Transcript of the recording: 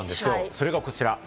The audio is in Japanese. それがこちら。